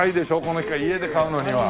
この機械家で買うのには。